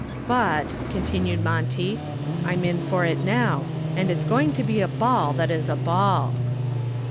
"But," continued Monty, "I'm in for it now, and it is going to be a ball that is a ball."